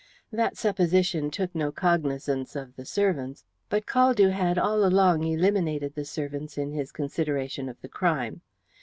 That supposition took no cognizance of the servants, but Caldew had all along eliminated the servants in his consideration of the crime.